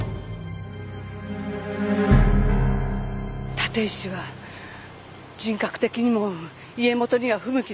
立石は人格的にも家元には不向きですし。